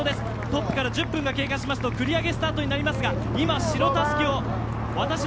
トップから１０分が経過しますと繰り上げスタートになります。